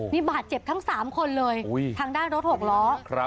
นี่บาดเจ็บทั้ง๓คนเลยทางด้านรถ๖ล้อ